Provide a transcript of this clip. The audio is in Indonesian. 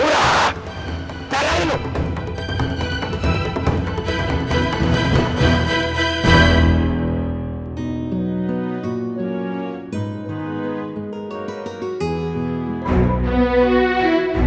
saat perintah tersebut tuansee memacukan anaknya